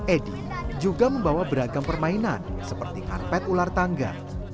edi juga membawa beragam permainan seperti karpet ular tangga